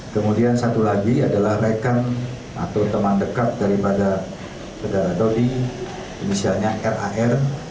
kemudian satu lagi adalah rekan atau teman dekat daripada saudara dodi inisialnya rar